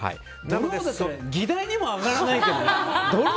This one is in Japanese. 議題にも上がらないけどな。